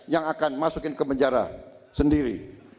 yang akan masukin ke penjara sendiri